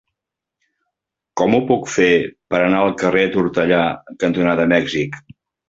Com ho puc fer per anar al carrer Tortellà cantonada Mèxic?